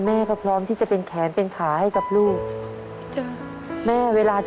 แม่ต้ารักแม่นะ